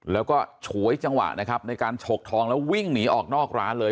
แล้วก็ฉวยจังหวะนะครับในการฉกทองแล้ววิ่งหนีออกนอกร้านเลย